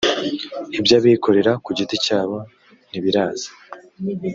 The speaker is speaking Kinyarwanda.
iby abikorera ku giti cyabo ntibiraza